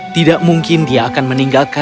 tidak mungkin dia akan meninggalkan